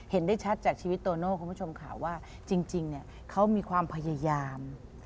เห็นได้ชัดจากชีวิตโตโน่คุณผู้ชมค่ะว่าจริงเนี่ยเขามีความพยายาม